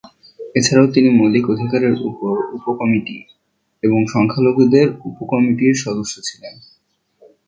এছাড়াও তিনি মৌলিক অধিকারের উপর উপ-কমিটি এবং সংখ্যালঘুদের উপ-কমিটির সদস্য ছিলেন।